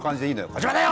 児嶋だよ！